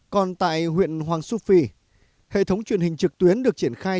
còn tại huyện hoàng su phi hệ thống truyền hình trực tuyến được triển khai